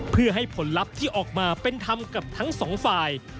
เพื่อให้ผลลัพธ์ที่ออกมาเป็นธรรมกับทั้งสองฝ่าย